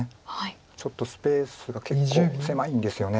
ちょっとスペースが結構狭いんですよね。